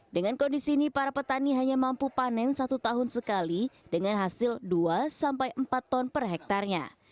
dengan kondisi ini para petani hanya mampu panen satu tahun sekali dengan hasil dua empat ton per hektarnya